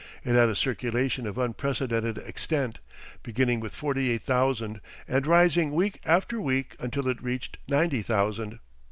It had a circulation of unprecedented extent, beginning with forty eight thousand, and rising week after week until it reached ninety thousand.